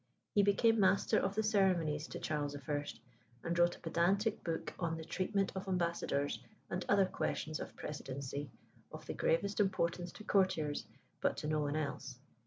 He became Master of the Ceremonies to Charles I., and wrote a pedantic book on the treatment of ambassadors, and other questions of precedency, of the gravest importance to courtiers, but to no one else.